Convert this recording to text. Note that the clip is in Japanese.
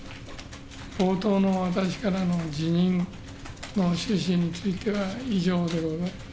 冒頭の私からの辞任の趣旨については以上でございます。